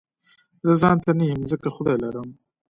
زه ځانته نه يم ځکه خدای لرم